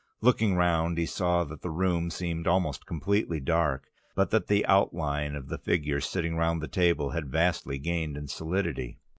Looking round, he saw that the room seemed almost completely dark, but that the outline of the figures sitting round the table had vastly gained in solidity.